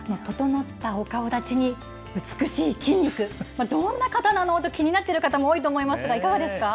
整ったお顔だちに、美しい筋肉、どんな方なのと気になっている方も多いと思いますが、いかがです